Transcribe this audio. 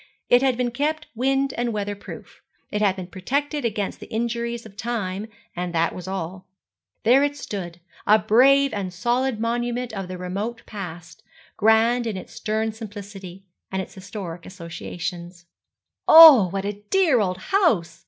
It had been kept wind and weather proof. It had been protected against the injuries of time; and that was all. There it stood, a brave and solid monument of the remote past, grand in its stern simplicity and its historic associations. 'Oh, what a dear old house!'